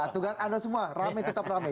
aturan anda semua rame tetap rame